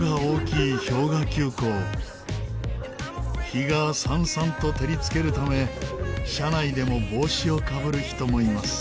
日がさんさんと照りつけるため車内でも帽子をかぶる人もいます。